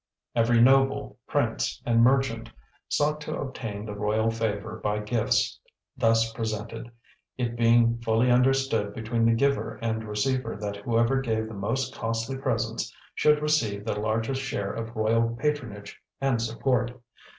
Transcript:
Every noble, prince, and merchant sought to obtain the royal favor by gifts thus presented, it being fully understood between the giver and receiver that whoever gave the most costly presents should receive the largest share of royal patronage and support.